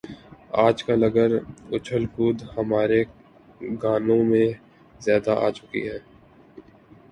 آج کل اگر اچھل کود ہمارے گانوں میں زیادہ آ چکا ہے۔